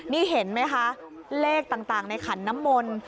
นี่เห็นไหมคะเลขต่างในขันน้ำมนต์